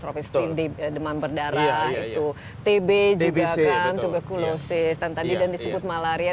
tropis demam berdarah tb juga kan tuberculosis dan tadi juga disebut malaria